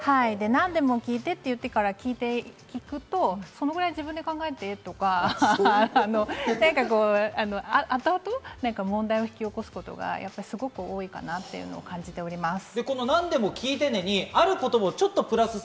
「何でも聞いて」と言ってから聞いていくと、そのぐらい自分で考えてとか、あとあと問題を引き起こすことがすごく多いかなと感じております。